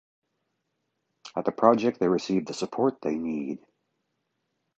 At the project they receive the support they need.